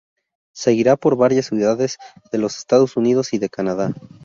Seguirá por varias ciudades de los Estados Unidos y de Canadá.